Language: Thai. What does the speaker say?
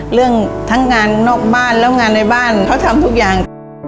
เรื่องทั้งงานนอกบ้านแล้วงานในบ้านเขาทำทุกอย่าง